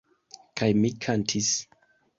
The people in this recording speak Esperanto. Kaj mi kantis.